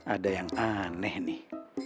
ada yang aneh nih